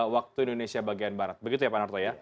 waktu indonesia bagian barat begitu ya pak narto ya